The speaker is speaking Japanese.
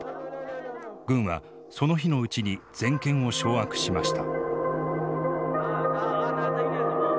軍はその日のうちに全権を掌握しました。